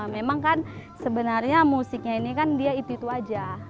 memang kan sebenarnya musiknya ini kan dia itu itu aja